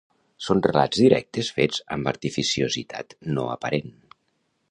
Són relats directes fets amb artificiositat no aparent